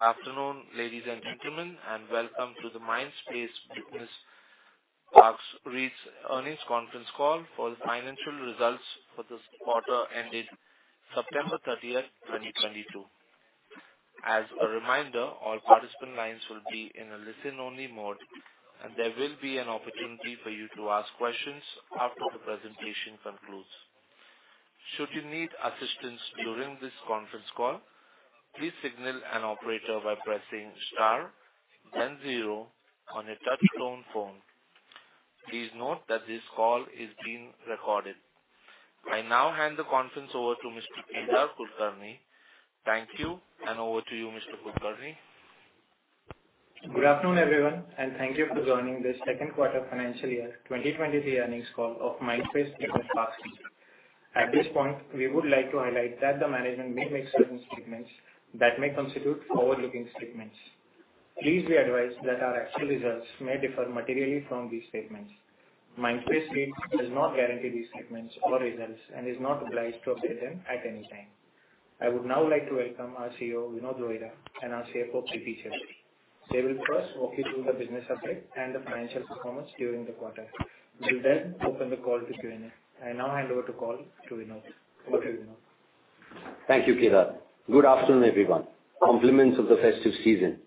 Afternoon, ladies and gentlemen, and welcome to the Mindspace Business Parks REIT's Earnings Conference Call for the financial results for this quarter ending September 30, 2022. As a reminder, all participant lines will be in a listen-only mode, and there will be an opportunity for you to ask questions after the presentation concludes. Should you need assistance during this conference call, please signal an operator by pressing star then zero on your touchtone phone. Please note that this call is being recorded. I now hand the conference over to Mr. Kedar Kulkarni. Thank you, and over to you, Mr. Kulkarni. Good afternoon, everyone, and thank you for joining this second quarter financial year 2023 earnings call of Mindspace Business Parks. At this point, we would like to highlight that the management may make certain statements that may constitute forward-looking statements. Please be advised that our actual results may differ materially from these statements. Mindspace REIT does not guarantee these statements or results and is not obliged to update them at any time. I would now like to welcome our CEO, Vinod Rohira, and our CFO, Preeti Chheda. They will first walk you through the business update and the financial performance during the quarter. We'll then open the call to Q&A. I now hand over the call to Vinod. Over to you, Vinod. Thank you, Kedar. Good afternoon, everyone. Compliments of the festive season.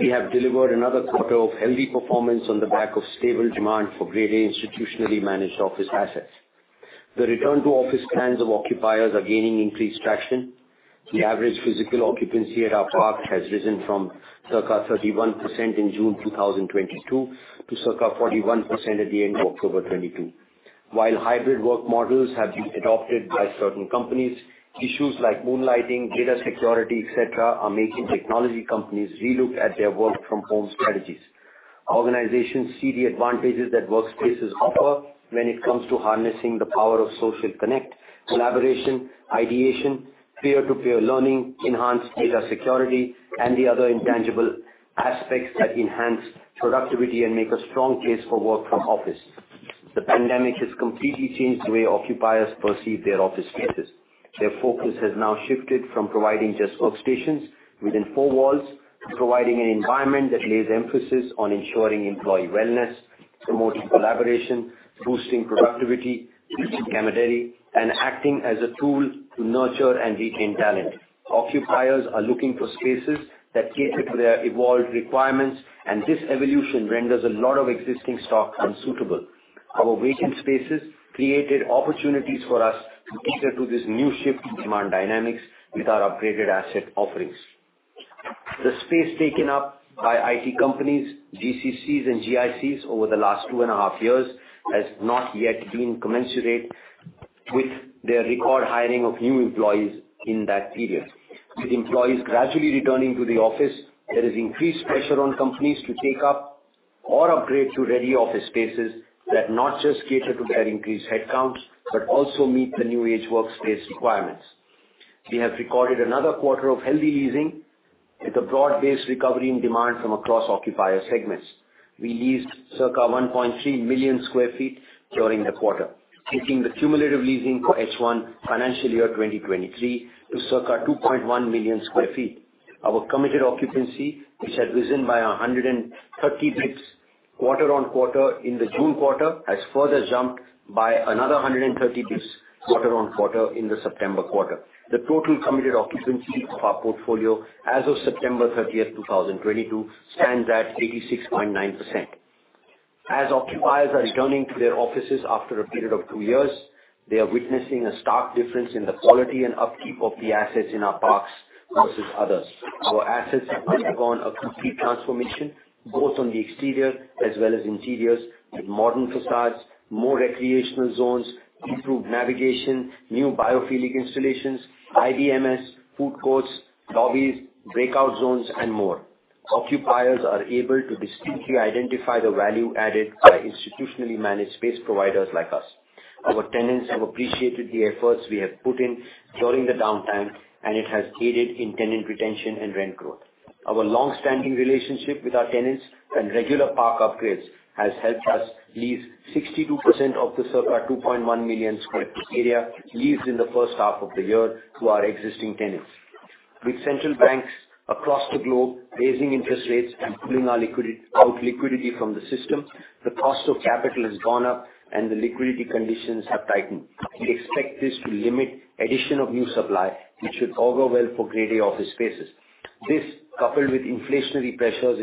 We have delivered another quarter of healthy performance on the back of stable demand for Grade A institutionally managed office assets. The return to office plans of occupiers are gaining increased traction. The average physical occupancy at our park has risen from circa 31% in June 2022 to circa 41% at the end of October 2022. While hybrid work models have been adopted by certain companies, issues like moonlighting, data security, et cetera, are making technology companies relook at their work-from-home strategies. Organizations see the advantages that workspaces offer when it comes to harnessing the power of social connect, collaboration, ideation, peer-to-peer learning, enhanced data security, and the other intangible aspects that enhance productivity and make a strong case for work from office. The pandemic has completely changed the way occupiers perceive their office spaces. Their focus has now shifted from providing just workstations within four walls to providing an environment that lays emphasis on ensuring employee wellness, promoting collaboration, boosting productivity, community, and acting as a tool to nurture and retain talent. Occupiers are looking for spaces that cater to their evolved requirements, and this evolution renders a lot of existing stock unsuitable. Our vacant spaces created opportunities for us to cater to this new shift in demand dynamics with our upgraded asset offerings. The space taken up by IT companies, GCCs and GICs over the last 2.5 years has not yet been commensurate with their record hiring of new employees in that period. With employees gradually returning to the office, there is increased pressure on companies to take up or upgrade to ready office spaces that not just cater to their increased headcounts, but also meet the new age workspace requirements. We have recorded another quarter of healthy leasing with a broad-based recovery in demand from across occupier segments. We leased circa 1.3 million sq ft during the quarter, taking the cumulative leasing for H1 financial year 2023 to circa 2.1 million sq ft. Our committed occupancy, which had risen by 130 basis points quarter-on-quarter in the June quarter, has further jumped by another 130 basis points quarter-on-quarter in the September quarter. The total committed occupancy of our portfolio as of September 30, 2022, stands at 86.9%. As occupiers are returning to their offices after a period of 2 years, they are witnessing a stark difference in the quality and upkeep of the assets in our parks versus others. Our assets have undergone a complete transformation, both on the exterior as well as interiors, with modern facades, more recreational zones, improved navigation, new biophilic installations, IBMS, food courts, lobbies, breakout zones, and more. Occupiers are able to distinctly identify the value added by institutionally managed space providers like us. Our tenants have appreciated the efforts we have put in during the downtime, and it has aided in tenant retention and rent growth. Our long-standing relationship with our tenants and regular park upgrades has helped us lease 62% of the circa 2.1 million sq ft area leased in the first half of the year to our existing tenants. With central banks across the globe raising interest rates and pulling out liquidity from the system, the cost of capital has gone up and the liquidity conditions have tightened. We expect this to limit addition of new supply, which should all go well for Grade A office spaces. This, coupled with inflationary pressures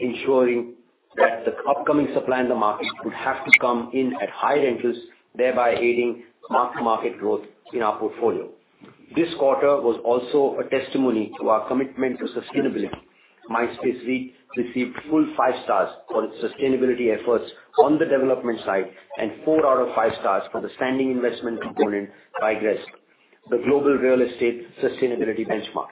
ensuring that the upcoming supply in the market would have to come in at higher rentals, thereby aiding mark-to-market growth in our portfolio. This quarter was also a testimony to our commitment to sustainability. Mindspace REIT received full five stars for its sustainability efforts on the development side and four out of five stars for the standing investment component by GRESB, the Global Real Estate Sustainability Benchmark.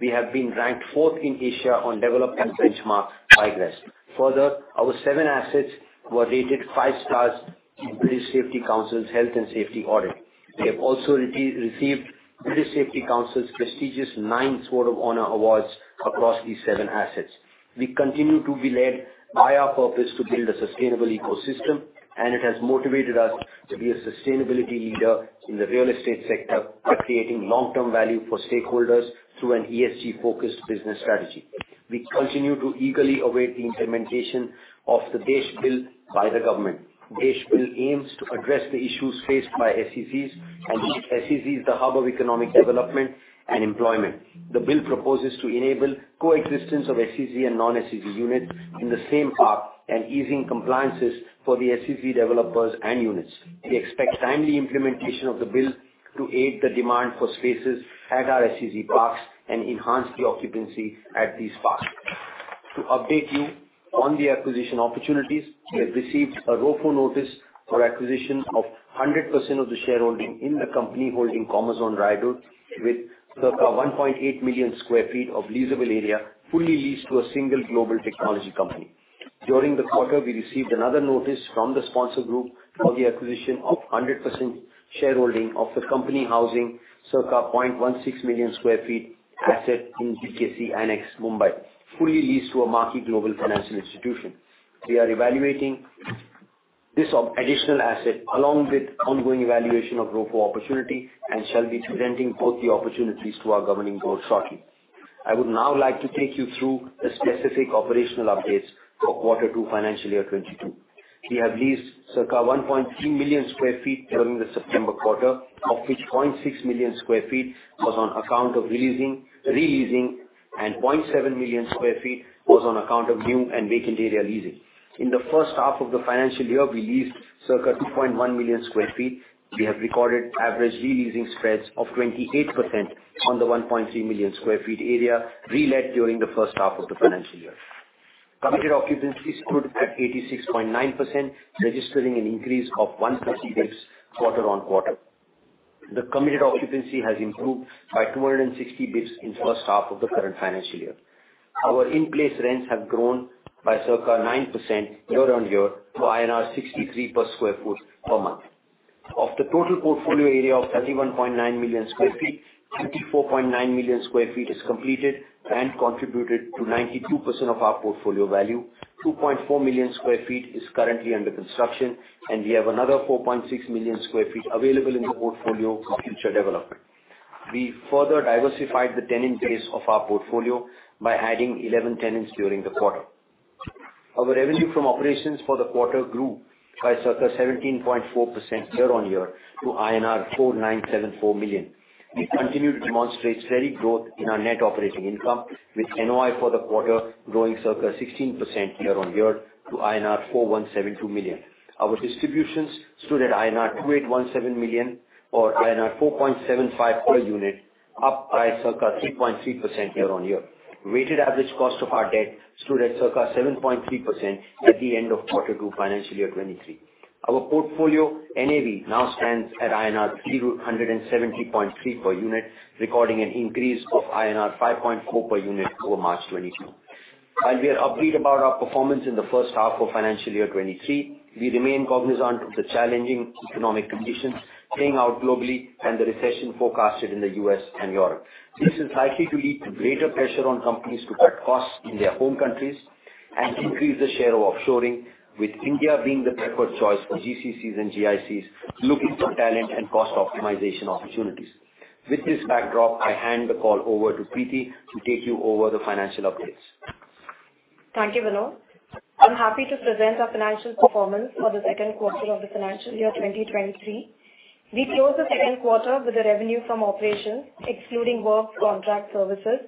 We have been ranked fourth in Asia on development benchmark by GRESB. Further, our seven assets were rated five stars in British Safety Council's health and safety audit. We have also received British Safety Council's prestigious ninth Sword of Honour awards across these seven assets. We continue to be led by our purpose to build a sustainable ecosystem, and it has motivated us to be a sustainability leader in the real estate sector by creating long-term value for stakeholders through an ESG-focused business strategy. We continue to eagerly await the implementation of the DESH Bill by the government. DESH Bill aims to address the issues faced by SEZs, and make SEZs the hub of economic development and employment. The bill proposes to enable coexistence of SEZ and non-SEZ unit in the same park and easing compliances for the SEZ developers and units. We expect timely implementation of the bill to aid the demand for spaces at our SEZ parks and enhance the occupancy at these parks. To update you on the acquisition opportunities, we have received a ROFO notice for acquisition of 100% of the shareholding in the company holding Commerzone Raidurg, with circa 1.8 million sq ft of leasable area fully leased to a single global technology company. During the quarter, we received another notice from the sponsor group for the acquisition of 100% shareholding of the company housing circa 0.16 million sq ft asset in BKC Annexe, Mumbai, fully leased to a marquee global financial institution. We are evaluating this additional asset along with ongoing evaluation of ROFO opportunity and shall be presenting both the opportunities to our Governing Board shortly. I would now like to take you through the specific operational updates for quarter 2 financial year 22. We have leased circa 1.3 million sq ft during the September quarter, of which 0.6 million sq ft was on account of re-leasing, and 0.7 million sq ft was on account of new and vacant area leasing. In the first half of the financial year, we leased circa 2.1 million sq ft. We have recorded average re-leasing spreads of 28% on the 1.3 million sq ft area re-let during the first half of the financial year. Committed occupancy stood at 86.9%, registering an increase of 150 basis points quarter-on-quarter. The committed occupancy has improved by 260 basis points in first half of the current financial year. Our in-place rents have grown by circa 9% year-on-year to INR 63 per sq ft per month. Of the total portfolio area of 31.9 million sq ft, 24.9 million sq ft is completed and contributed to 92% of our portfolio value. 2.4 million sq ft is currently under construction, and we have another 4.6 million sq ft available in the portfolio for future development. We further diversified the tenant base of our portfolio by adding 11 tenants during the quarter. Our revenue from operations for the quarter grew by circa 17.4% year-on-year to INR 4,974 million. We continue to demonstrate steady growth in our net operating income, with NOI for the quarter growing circa 16% year-on-year to INR 4,172 million. Our distributions stood at INR 2,817 million or INR 4.75 per unit, up by circa 3.3% year-on-year. Weighted average cost of our debt stood at circa 7.3% at the end of quarter two financial year 2023. Our portfolio NAV now stands at INR 370.3 per unit, recording an increase of INR 5.4 per unit over March 2022. While we are upbeat about our performance in the first half of financial year 2023, we remain cognizant of the challenging economic conditions playing out globally and the recession forecasted in the US and Europe. This is likely to lead to greater pressure on companies to cut costs in their home countries and increase the share of offshoring, with India being the preferred choice for GCCs and GICs looking for talent and cost optimization opportunities. With this backdrop, I hand the call over to Preeti to take you over the financial updates. Thank you, Vinod. I'm happy to present our financial performance for the second quarter of the financial year 2023. We closed the second quarter with a revenue from operations, excluding works contract services,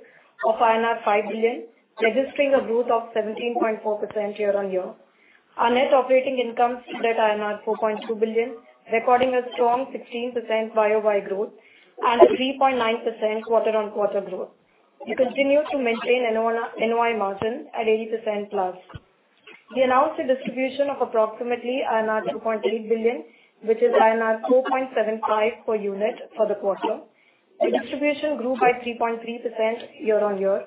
of INR 5 billion, registering a growth of 17.4% year-on-year. Our net operating income stood at 4.2 billion, recording a strong 16% YOY growth and a 3.9% quarter-on-quarter growth. We continue to maintain NOI margin at 80%+. We announced a distribution of approximately INR 2.8 billion, which is INR 4.75 per unit for the quarter. The distribution grew by 3.3% year-on-year.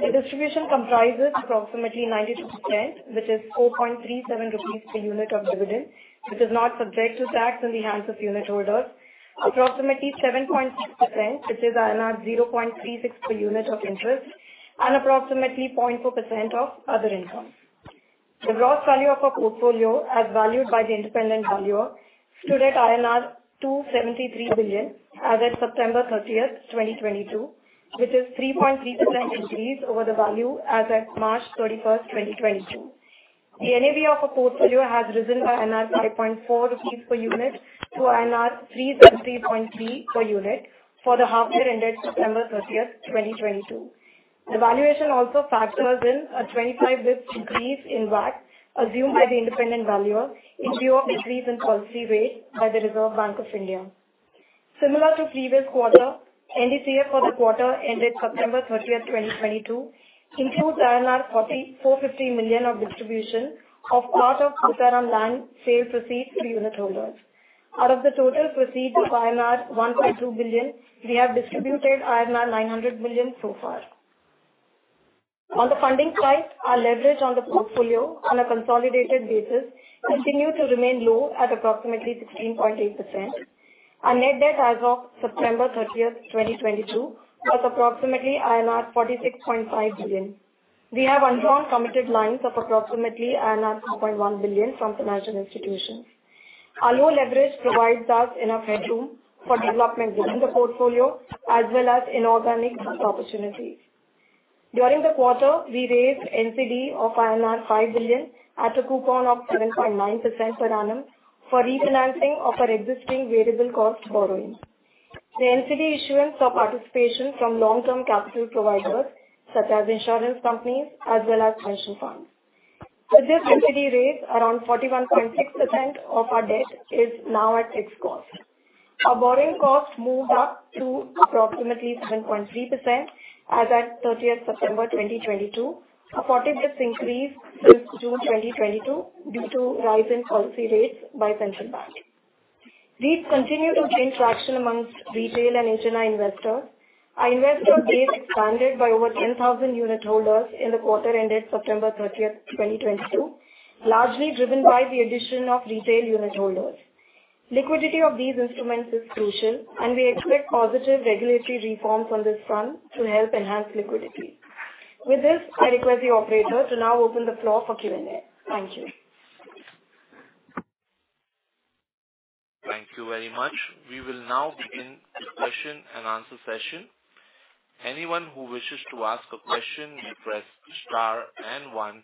The distribution comprises approximately 92%, which is 4.37 rupees per unit of dividend, which is not subject to tax in the hands of unit holders. Approximately 7.6%, which is 0.36 per unit of interest, and approximately 0.4% of other income. The gross value of our portfolio as valued by the independent valuer stood at INR 273 billion as at September 30, 2022, which is 3.3% increase over the value as at March 31, 2022. The NAV of our portfolio has risen by 5.4 rupees per unit to 370.3 per unit for the half year ended September 30, 2022. The valuation also factors in a 25 basis points increase in WACC assumed by the independent valuer in view of decrease in policy rate by the Reserve Bank of India. Similar to previous quarter, NDCF for the quarter ended September 30, 2022, includes 445 million of distribution of part of Pocharam land sale proceeds to unit holders. Out of the total proceeds of 1.2 billion, we have distributed 900 million so far. On the funding side, our leverage on the portfolio on a consolidated basis continued to remain low at approximately 16.8%. Our net debt as of September 30, 2022 was approximately INR 46.5 billion. We have undrawn committed lines of approximately INR 2.1 billion from financial institutions. Our low leverage provides us enough headroom for development within the portfolio as well as inorganic growth opportunities. During the quarter, we raised NCD of INR 5 billion at a coupon of 7.9% per annum for refinancing of our existing variable cost borrowings. The NCD issuance saw participation from long-term capital providers such as insurance companies as well as pension funds. With this NCD raise, around 41.6% of our debt is now at fixed cost. Our borrowing cost moved up to approximately 7.3% as at September 30, 2022, a 40 basis increase since June 2022 due to rise in policy rates by central bank. REITs continue to gain traction amongst retail and institutional investors. Our investor base expanded by over 10,000 unitholders in the quarter ended September 30, 2022, largely driven by the addition of retail unitholders. Liquidity of these instruments is crucial, and we expect positive regulatory reforms on this front to help enhance liquidity. With this, I request the operator to now open the floor for Q&A. Thank you. Thank you very much. We will now begin the question and answer session. Anyone who wishes to ask a question may press star and one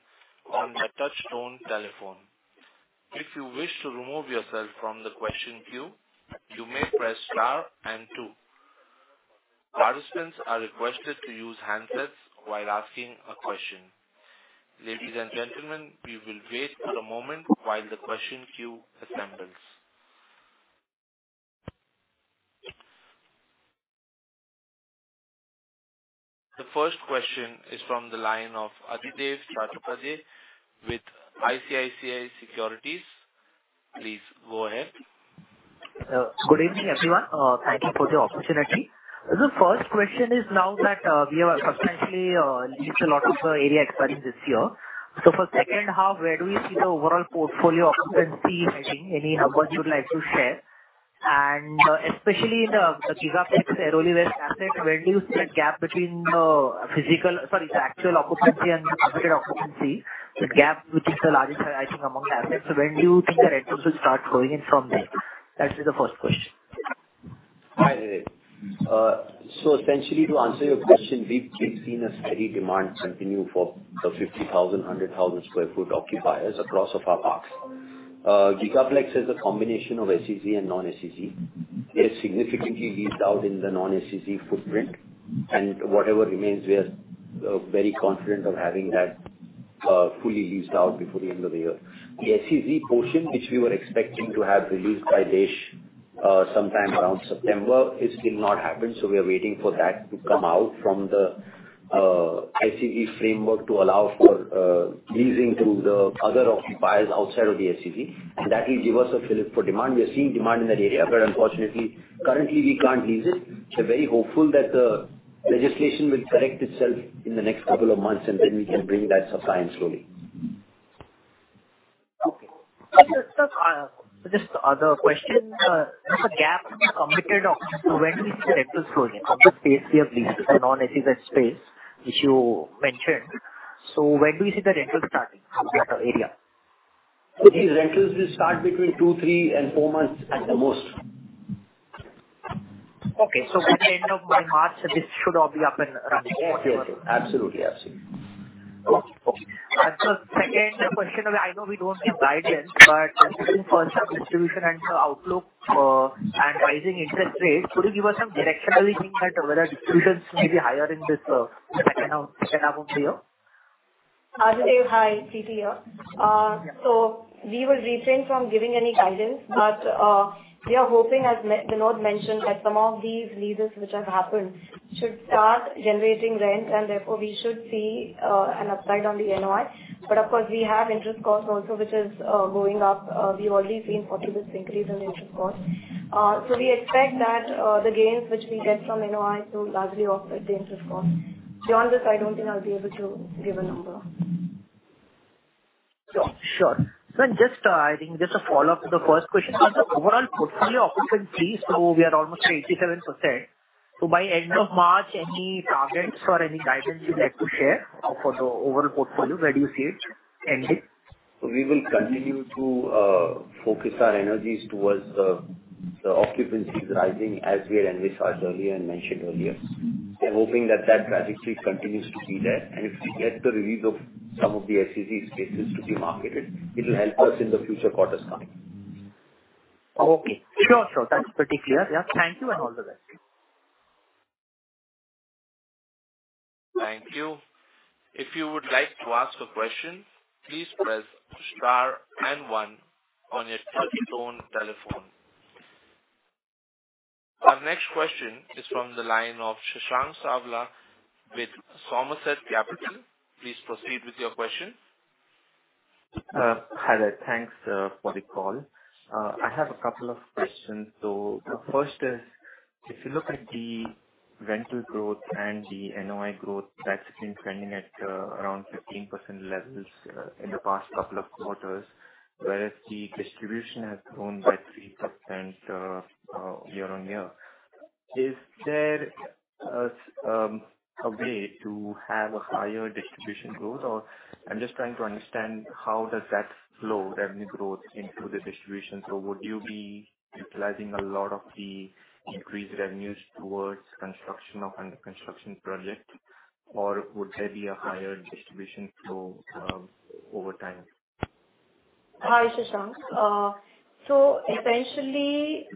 on their touchtone telephone. If you wish to remove yourself from the question queue, you may press star and two. Participants are requested to use handsets while asking a question. Ladies and gentlemen, we will wait for a moment while the question queue assembles. The first question is from the line of Adhidev Chattopadhyay with ICICI Securities. Please go ahead. Good evening, everyone. Thank you for the opportunity. The first question is now that we have substantially leased a lot of the area expiring this year. For second half, where do we see the overall portfolio occupancy heading? Any numbers you would like to share? And especially in the Gigaplex Airoli East asset, where do you see that gap between the actual occupancy and the targeted occupancy, the gap which is the largest, I think, among assets. When do you think the rentals will start going in from there? That is the first question. Hi, Adhidev. So essentially, to answer your question, we've seen a steady demand continue for the 50,000-100,000 sq ft occupiers across our parks. Gigaplex is a combination of SEZ and non-SEZ, is significantly leased out in the non-SEZ footprint. Whatever remains, we are very confident of having that fully leased out before the end of the year. The SEZ portion, which we were expecting to have released by DESH sometime around September, it's still not happened. We are waiting for that to come out from the SEZ framework to allow for leasing to the other occupiers outside of the SEZ. That will give us a fillip for demand. We are seeing demand in that area, but unfortunately currently we can't lease it. We're very hopeful that the legislation will correct itself in the next couple of months, and then we can bring that supply in slowly. Sir, just the other question. There's a gap in the committed occupancy. When do we see the rentals going in from the space you have leased as a non-SEZ space, which you mentioned. When do you see the rentals starting in the area? These rentals will start between 2, 3 and 4 months at the most. Okay. By the end of March, this should all be up and running. Yes, sure. Absolutely. Sir, second question. I know we don't give guidance, but just looking for some distribution and the outlook, and rising interest rates, could you give us some directionally hint at whether distributions may be higher in this second half of the year? Adhidev, hi. Preeti here. We will refrain from giving any guidance, but we are hoping, as Vinod mentioned, that some of these leases which have happened should start generating rent and therefore we should see an upside on the NOI. Of course, we have interest costs also, which is going up. We've already seen 40 basis points increase in the interest costs. We expect that the gains which we get from NOI to largely offset the interest costs. Beyond this, I don't think I'll be able to give a number. Sure. I think just a follow-up to the first question. On the overall portfolio occupancy, we are almost at 87%. By end of March, any targets or any guidance you'd like to share for the overall portfolio? Where do you see it ending? We will continue to focus our energies towards the occupancies rising as we're in the charge earlier and mentioned earlier. We're hoping that trajectory continues to be there. If we get the release of some of the SEZ spaces to be marketed, it'll help us in the future quarters coming. Sure. That's pretty clear. Thank you and all the best. Thank you. If you would like to ask a question, please press star and one on your touchtone telephone. Our next question is from the line of Shashank Savla with Somerset Capital. Please proceed with your question. Hi there. Thanks for the call. I have a couple of questions. The first is, if you look at the rental growth and the NOI growth, that's been trending at around 15% levels in the past couple of quarters. Whereas the distribution has grown by 3% year-on-year. Is there a way to have a higher distribution growth or I'm just trying to understand how does that flow, revenue growth into the distribution. Would you be utilizing a lot of the increased revenues towards construction of under-construction projects or would there be a higher distribution flow over time? Hi, Shashank. Essentially,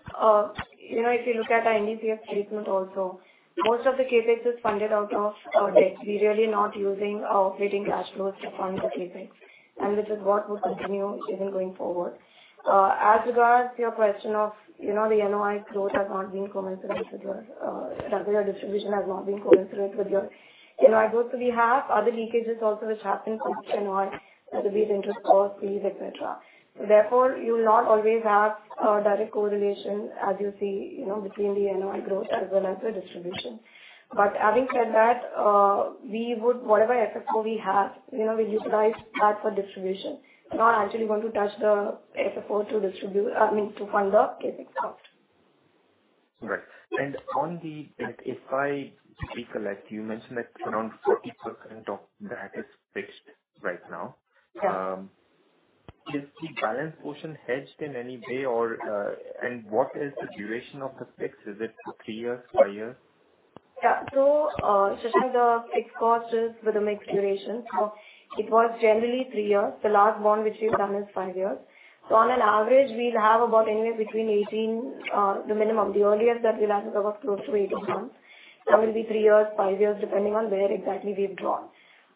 you know, if you look at our NDCF treatment also, most of the CapEx is funded out of our debt. We're really not using our operating cash flows to fund the CapEx, and this is what will continue even going forward. As regards to your question of, you know, the regular distribution has not been commensurate with the NOI growth. We have other leakages also which happen from NOI. That will be the interest costs, fees, et cetera. Therefore, you'll not always have direct correlation as you see, you know, between the NOI growth as well as the distribution. But having said that, we do whatever FFO we have, you know, we utilize that for distribution. We're not actually going to touch the FFO to distribute, I mean, to fund the CapEx. Right. On the debt, if I recall, like you mentioned that around 40% of that is fixed right now. Is the balance portion hedged in any way or what is the duration of the fix? Is it for three years, five years? Shashank, the fixed cost is with a mixed duration. It was generally three years. The last bond which we've done is 5 years. On average we'll have about anywhere between 18, the minimum. The earliest that we'll have is about close to 18 months. That will be three years, five years, depending on where exactly we've drawn.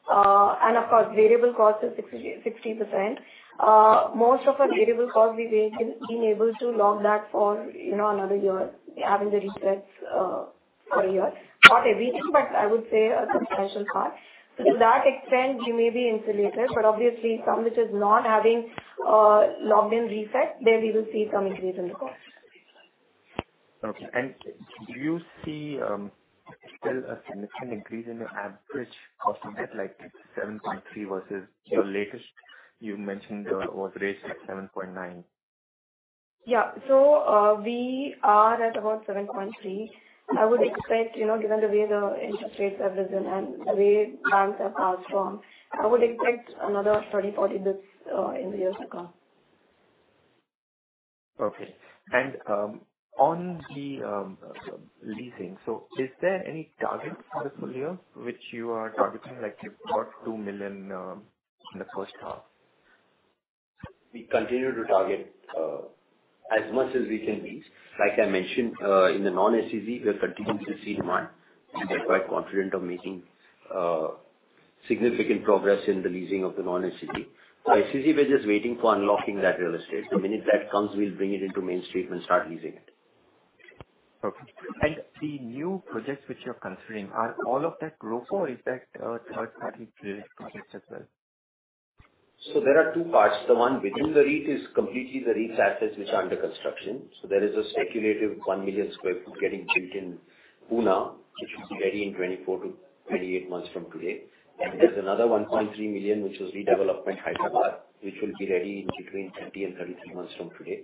Of course variable cost is 60%. Most of our variable cost, we've been able to lock that for, you know, another year. We have in the resets for a year. Not everything, but I would say a substantial part. To that extent we may be insulated, but obviously some which is not having locked-in reset, there we will see some increase in the cost. Okay. Do you see still a significant increase in your average cost of debt, like 7.3% versus your latest you mentioned, was raised at 7.9%? We are at about 7.3%. I would expect, you know, given the way the interest rates have risen and the way banks have hiked them, I would expect another 30-40 basis points in the years to come. Okay. On the leasing. Is there any target for the full year which you are targeting, like you've got 2 million in the first half? We continue to target as much as we can lease. Like I mentioned, in the non-SEZ we're continuing to see demand. We are quite confident of making significant progress in the leasing of the non-SEZ. For SEZ, we're just waiting for unlocking that real estate. The minute that comes, we'll bring it into Main Street and start leasing it. Okay. The new projects which you're considering, are all of that ROFO or is that a third party project as well? There are two parts. The one within the REIT is completely the REIT's assets which are under construction. There is a speculative 1 million sq ft getting built in Pune, which will be ready in 24-28 months from today. There's another 1.3 million which is redevelopment Hyderabad, which will be ready in between 20 and 23 months from today.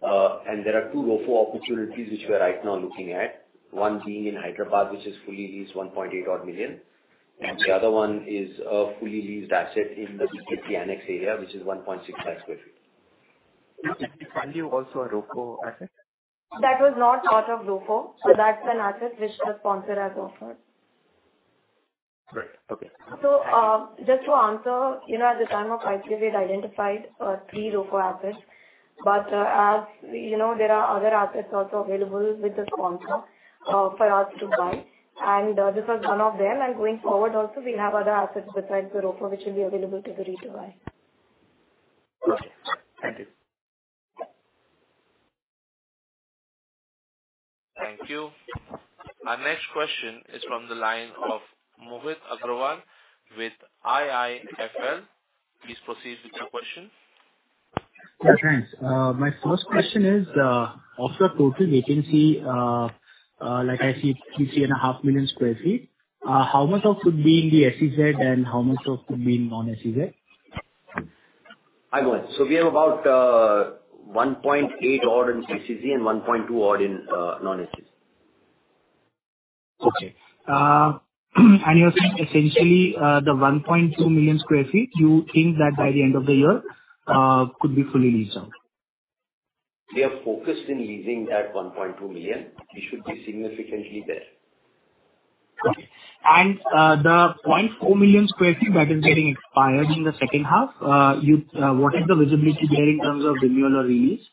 There are two ROFO opportunities which we are right now looking at, one being in Hyderabad, which is fully leased, 1.8 odd million. The other one is a fully leased asset in the BKC Annexe area, which is 1.65 sq ft. Was Chennai also a ROFO asset? That was not part of ROFO. That's an asset which the sponsor has offered. Great. Okay. Just to answer at the time of IPO, we had identified three ROFO assets. As you know, there are other assets also available with the sponsor for us to buy, and this is one of them. Going forward also, we have other assets besides the ROFO, which will be available to the REIT to buy. Thank you. Thank you. Our next question is from the line of Mohit Agrawal with IIFL. Please proceed with your question. Thanks. My first question is, of your total vacancy, I see 3.5 million sq ft. How much could be in the SEZ and how much could be in non-SEZ? Hi, Mohit. We have about 1.8 odd in SEZ and 1.2 odd in non-SEZ. You're saying essentially, the 1.2 million sq ft, you think that by the end of the year could be fully leased out? We are focused on leasing that 1.2 million. We should be significantly there. Okay. The 0.4 million sq ft that is getting expired in the second half, what is the visibility there in terms of renewal or re-lease?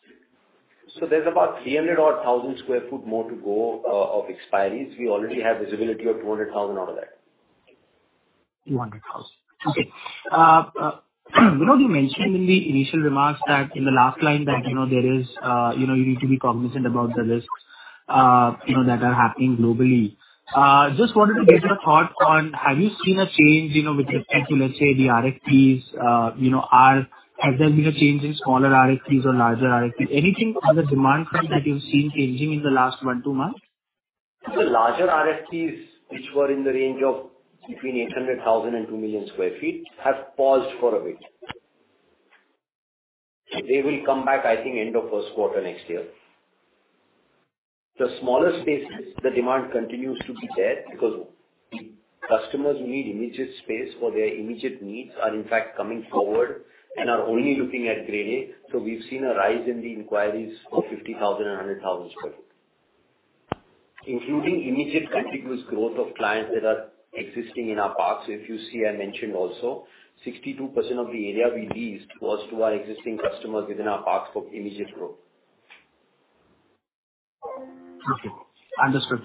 There's about 300,000-odd sq ft more to go, of expiries. We already have visibility of 200,000 out of that. 200,000. Okay. You mentioned in the initial remarks that in the last line that you need to be cognizant about the risks that are happening globally. Just wanted to get your thought on have you seen a change with respect to, let's say the RFPs. Has there been a change in smaller RFPs or larger RFPs? Anything on the demand front that you've seen changing in the last one, two months? The larger RFPs which were in the range of between 800,000 and 2 million sq ft have paused for a bit. They will come back, I think, end of first quarter next year. The smaller spaces, the demand continues to be there because customers who need immediate space for their immediate needs are in fact coming forward and are only looking at Grade A. So we've seen a rise in the inquiries of 50,000 and 100,000 sq ft. Including immediate contiguous growth of clients that are existing in our parks. If you see, I mentioned also 62% of the area we leased was to our existing customers within our parks for immediate growth. Okay, understood.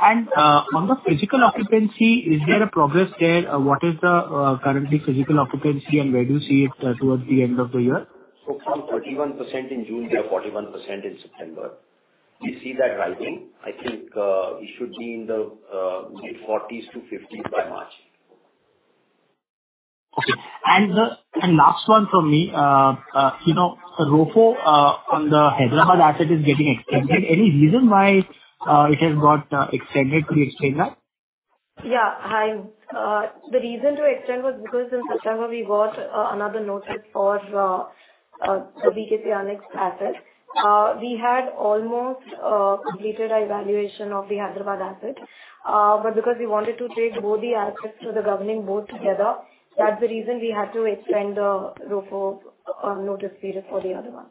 On the physical occupancy, is there a progress there? What is the current physical occupancy and where do you see it, towards the end of the year? From 31% in June to 41% in September. We see that rising. I think, it should be in the mid-40%-50%s by March. Okay. Last one from me. ROFO on the Hyderabad asset is getting extended. Any reason why it has got extended? Could you explain that? Hi. The reason to extend was because in September we got another notice for the BKC Annexe asset. We had almost completed our evaluation of the Hyderabad asset, but because we wanted to take both the assets to the Governing Board together, that's the reason we had to extend the ROFO notice period for the other one.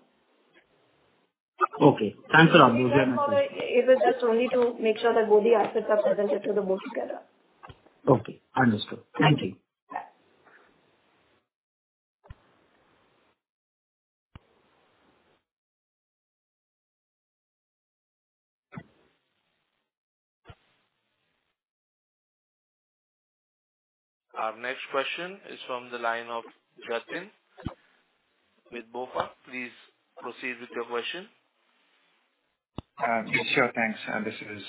Okay, thanks a lot. It was just only to make sure that both the assets are presented to the Board together. Okay, understood. Thank you. Our next question is from the line of Jatin with BofA. Please proceed with your question. Sure. Thanks. This is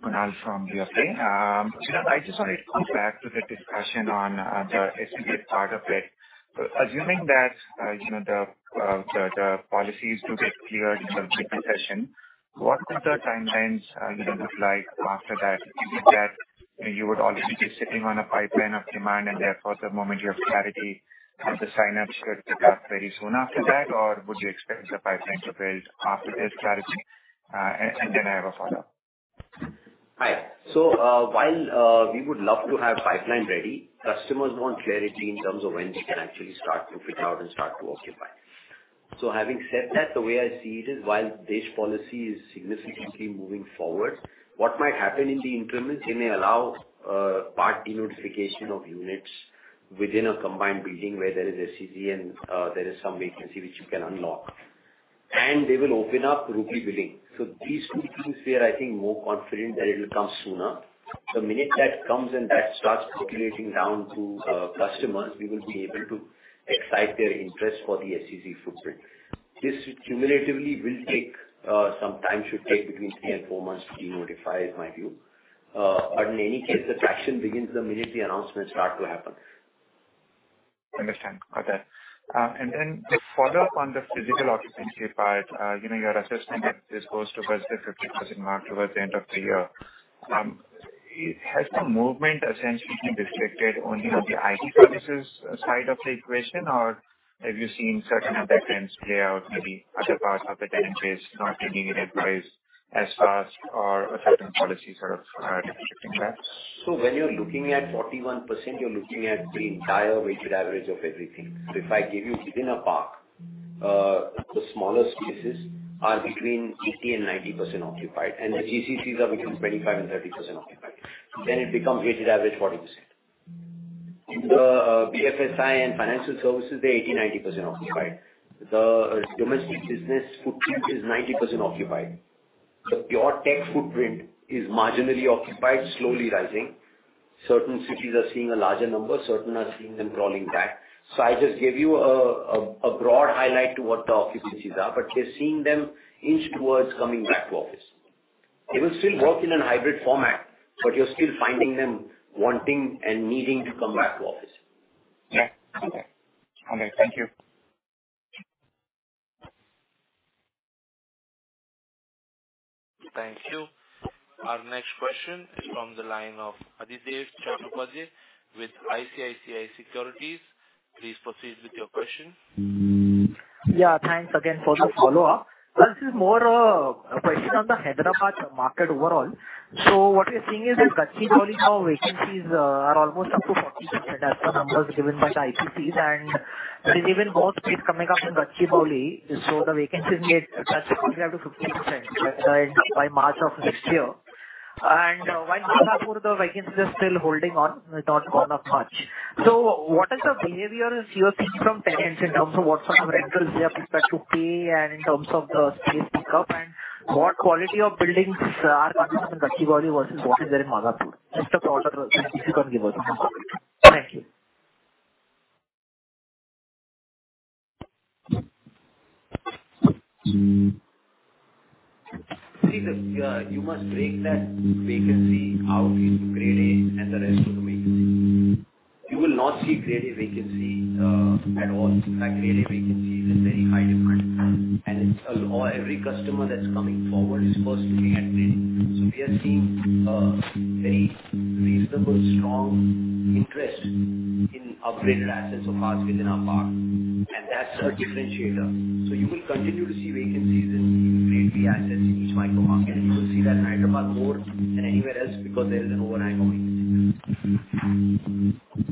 Kunal from BofA. I just wanted to come back to the discussion on the SEZ part of it. Assuming that you know the policies do get cleared in the budget session, what would the timelines you know look like after that, given that you would already be sitting on a pipeline of demand and therefore the moment you have clarity on the sign ups should start very soon after that? Or would you expect the pipeline to build after this clarity? And then I have a follow-up. Hi. While we would love to have pipeline ready, customers want clarity in terms of when they can actually start to fit out and start to occupy. Having said that, the way I see it is, while this policy is significantly moving forward, what might happen in the increments, they may allow partial notification of units within a combined building where there is SEZ and there is some vacancy which you can unlock. They will open up rupee billing. These two things we are, I think, more confident that it will come sooner. The minute that comes and that starts percolating down to customers, we will be able to excite their interest for the SEZ footprint. This cumulatively will take some time, should take between three and four months to de-notify, is my view. In any case, the traction begins the minute the announcements start to happen. Understand. Just follow up on the physical occupancy part. You know, your assessment is this goes towards the 50% mark towards the end of the year. Has the movement essentially been restricted only on the IT services side of the equation, or have you seen certain tenants play out, maybe other parts of the tenants not taking it up as fast or certain policies sort of restricting that? When you're looking at 41%, you're looking at the entire weighted average of everything. If I give you within a park, the smaller spaces are between 80%-90% occupied, and the GCCs are between 25%-30% occupied. It becomes weighted average 40%. The BFSI and financial services, they're 80%-90% occupied. The domestic business footprint is 90% occupied. The pure tech footprint is marginally occupied, slowly rising. Certain cities are seeing a larger number, certain are seeing them crawling back. I just gave you a broad highlight to what the occupancies are, but we're seeing them inch towards coming back to office. They will still work in a hybrid format, but you're still finding them wanting and needing to come back to office. Thank you. Thank you. Our next question is from the line of Adhidev Chattopadhyay with ICICI Securities. Please proceed with your question. thanks again for the follow-up. This is more of a question on the Hyderabad market overall. What we're seeing is that Gachibowli now vacancies are almost up to 40% as the numbers given by the JLL, and there is even more space coming up in Gachibowli, so the vacancies may touch probably up to 50% by March of next year. While in Madhapur the vacancies are still holding on, they've not gone up much. What is the behavior you're seeing from tenants in terms of what sort of rentals they are prepared to pay and in terms of the space pickup, and what quality of buildings are coming up in Gachibowli versus what is there in Madhapur? Just a broader picture you can give us. Thank you. You must break that vacancy out into Grade A and the rest of the vacancy. You will not see Grade A vacancy at all. In fact, Grade A vacancy is in very high demand. Every customer that's coming forward is first looking at Grade A. We are seeing very reasonable, strong interest in upgraded assets of ours within our park, and that's a differentiator. You will continue to see vacancies in the Grade B assets in each micro market. You will see that in Hyderabad more than anywhere else because there is an overhang of vacancies.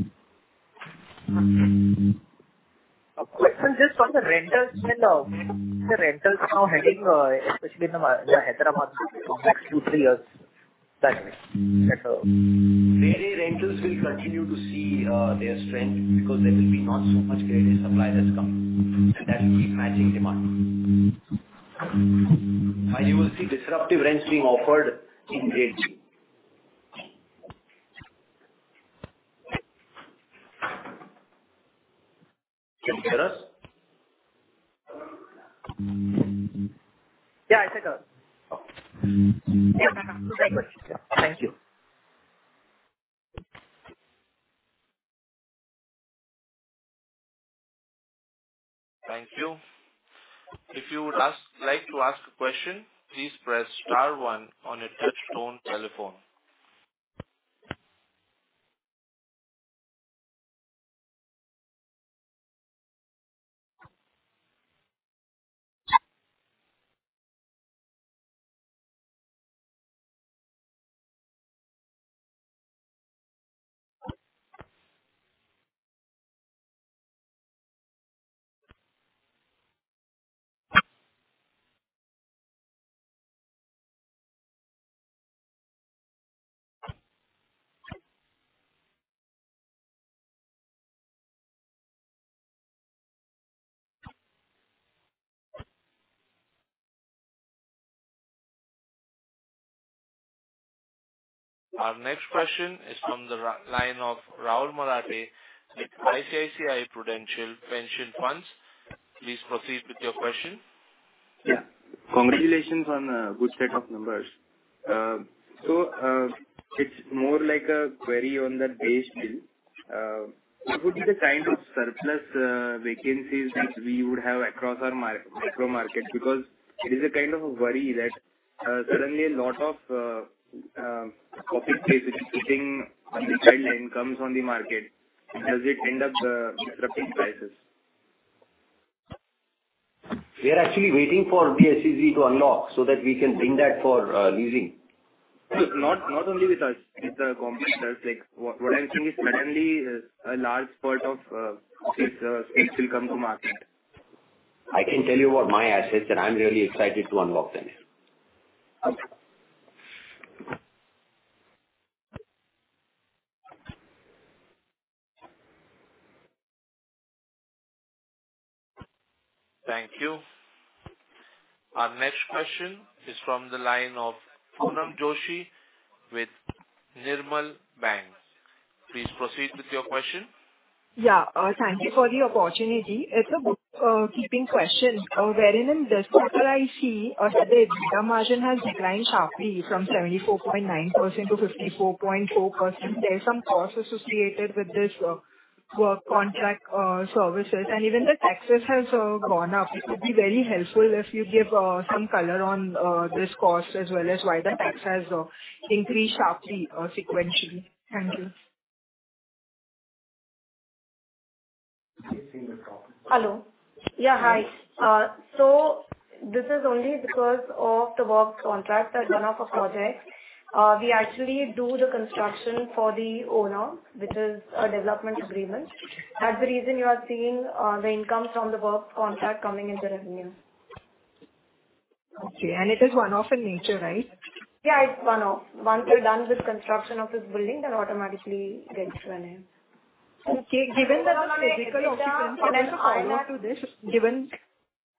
A question just on the rentals. Where is the rentals now heading, especially in the Hyderabad for next 2-3 years? Grade A rentals will continue to see their strength because there will be not so much Grade A supply that's coming. That will keep matching demand. You will see disruptive rents being offered in Grade C. No, great. Thank you. Thank you. If you would like to ask a question, please press star one on your touchtone telephone. Our next question is from the line of Rahul Marathe with ICICI Prudential Pension Funds. Please proceed with your question. Congratulations on a good set of numbers. It's more like a query on the DESH Bill. What would be the surplus vacancies that we would have across our micro market? Because it is a a worry that suddenly a lot of office space is hitting the supply on the market. Does it end up disrupting prices? We are actually waiting for SEZ to unlock so that we can bring that for leasing. Not only with us, with the competitors. Like, what I'm saying is suddenly a large part of office space will come to market. I can tell you about my assets, and I'm really excited to unlock them. Okay. Thank you. Our next question is from the line of Poonam Joshi with Nirmal Bang. Please proceed with your question. Thank you for the opportunity. It's a bookkeeping question, wherein in this quarter I see our EBITDA margin has declined sharply from 74.9%-54.4%. There are some costs associated with this work contract services. Even the taxes has gone up. It would be very helpful if you give some color on this cost as well as why the tax has increased sharply sequentially. Thank you. I see your problem. Hi. This is only because of the work contract, the one-off project. We actually do the construction for the owner, which is a development agreement. That's the reason you are seeing the income from the work contract coming into revenue. Okay. It is one-off in nature, right? It's one-off. Once we're done with construction of this building, that automatically gets run in. Okay. Given that the physical occupancy. Can I follow up to this?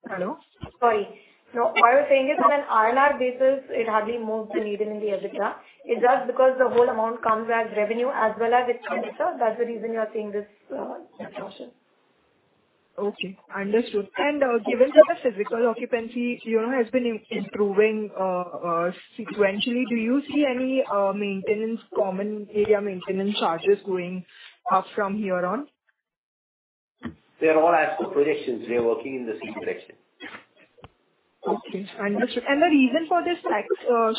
Hello? Sorry. No, what I was saying is on an IRR basis, it hardly moves the needle in the EBITDA. It's just because the whole amount comes as revenue as well as its capital. That's the reason you are seeing this, disruption. Understood. Given that the physical occupancy has been improving sequentially, do you see any maintenance, common area maintenance charges going up from here on? They're all as per predictions. We are working in the same direction. Okay, understood. The reason for this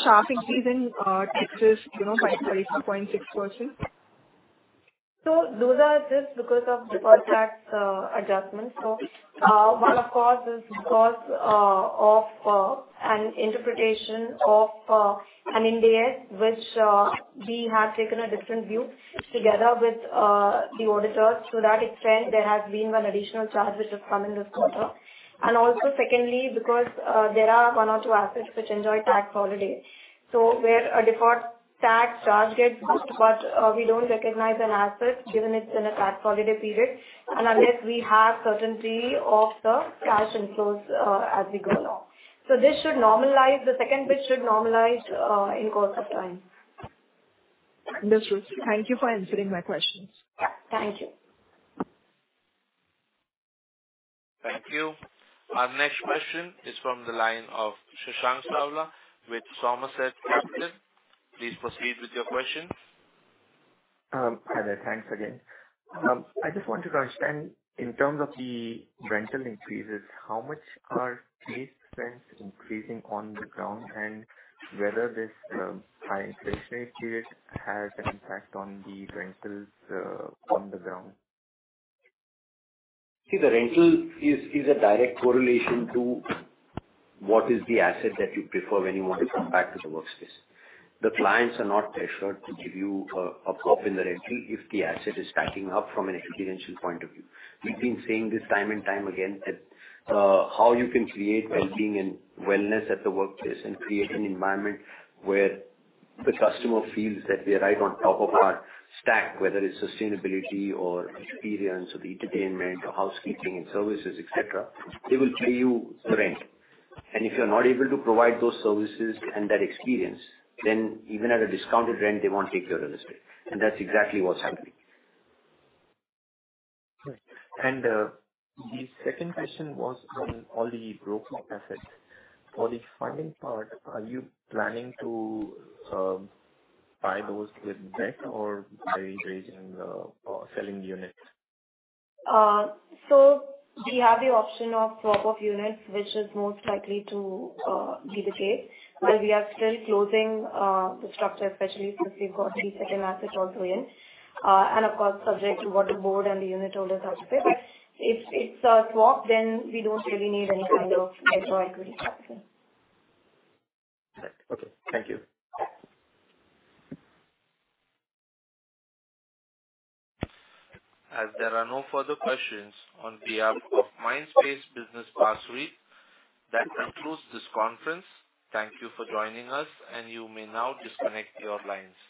sharp increase in taxes by 34.6%? Those are just because of deferred tax adjustments. One, of course, is because of an interpretation of an Ind AS, which we have taken a different view together with the auditors. To that extent, there has been one additional charge which has come in this quarter. Also secondly, because there are one or two assets which enjoy tax holiday. Where a deferred tax charge gets booked, but we don't recognize an asset given it's in a tax holiday period. Unless we have certainty of the cash inflows, as we go along. This should normalize. The second bit should normalize, in course of time. Yes, Ruth. Thank you for answering my questions. Thank you. Thank you. Our next question is from the line of Shashank Savla with Somerset Capital. Please proceed with your question. Hi there. Thanks again. I just want to understand in terms of the rental increases, how much are base rents increasing on the ground, and whether this high interest rate period has an impact on the rentals on the ground? See, the rental is a direct correlation to what is the asset that you prefer when you want to come back to the workspace. The clients are not pressured to give you a pop in the rental if the asset is stacking up from an experiential point of view. We've been saying this time and time again that how you can create wellbeing and wellness at the workplace and create an environment where the customer feels that we are right on top of our stack, whether it's sustainability or experience or the entertainment or housekeeping and services, et cetera, they will pay you the rent. If you're not able to provide those services and that experience, then even at a discounted rent, they won't take your real estate. That's exactly what's happening. The second question was on all the broken assets. For the funding part, are you planning to buy those with debt or by raising or selling units? We have the option of swap of units, which is most likely to be the case. We are still closing the structure, especially since we've got T7 assets also in. Of course, subject to what the Board and the unit holders have to say. If it's a swap, then we don't really need any kind of debt or equity capital. Right. Okay. Thank you. As there are no further questions on behalf of Mindspace Business Parks REIT, that concludes this conference. Thank you for joining us, and you may now disconnect your lines.